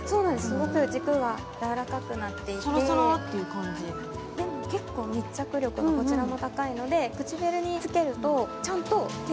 すごく軸がやわらかくなっていてサラサラっていう感じでも結構密着力がこちらも高いのでえっ！？